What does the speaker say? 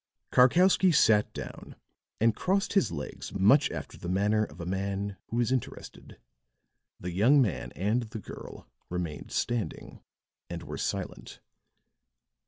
Karkowsky sat down and crossed his legs much after the manner of a man who is interested. The young man and the girl remained standing and were silent.